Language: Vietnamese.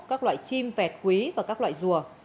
các loại chim vẹt quý và các loại rùa